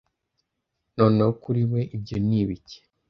Noneho kuri we ibyo ni ibiki